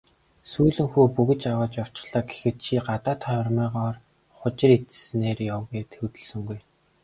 "Сүүлэн хүү бөгж аваад явчихлаа" гэхэд "Чи гадаад хормойгоор хужир идсэнээрээ яв" гээд хөдөлсөнгүй.